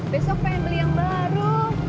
besok pengen beli yang baru